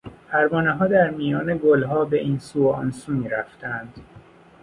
پروانهها در میان گلها به این سو و آن سو میرفتند.